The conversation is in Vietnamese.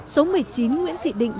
số một mươi chín nguyễn thị định